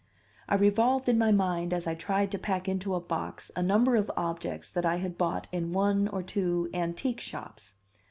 I revolved in my mind as I tried to pack into a box a number of objects that I had bought in one or to "antique" shops.